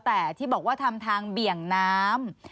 แต่ที่บอกว่าทำทางเบี่ยงน้ำ